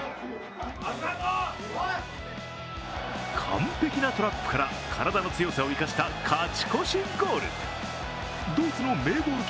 完璧なトラップから、体の強さを生かした勝ち越しゴール！